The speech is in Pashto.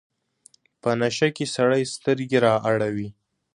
په نشه کې سرې سترګې رااړوي.